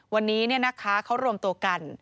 วันนี้เนี่ยนะคะเขารวมตัวกัน